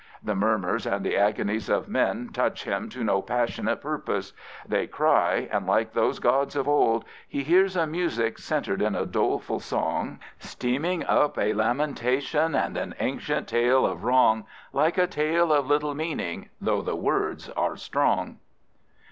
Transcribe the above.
The murmurs and the agonies of men touch him to no passionate purpose. They cry, and, like those gods of old, He hears a music centred in a doleful song, Steaming up a lamentation and an ancient tale of wrong. Like a tale of little meaning, though the words are strong.